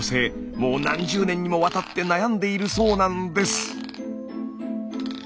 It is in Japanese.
もう何十年にもわたって悩んでいるそうなんです。